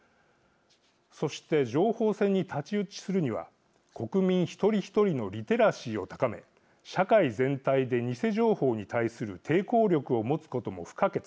そして情報戦に太刀打ちするには国民一人一人のリテラシーを高め社会全体で偽情報に対する抵抗力を持つことも不可欠です。